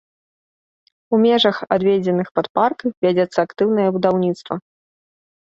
У межах, адведзеных пад парк, вядзецца актыўнае будаўніцтва.